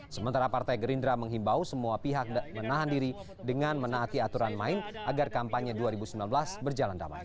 sementara partai gerindra menghimbau semua pihak menahan diri dengan menaati aturan main agar kampanye dua ribu sembilan belas berjalan damai